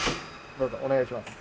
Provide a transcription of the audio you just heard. どうぞお願いします。